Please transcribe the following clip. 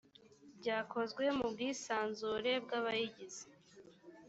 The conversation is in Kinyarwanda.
byakozwe mu bwisanzure bwabayigize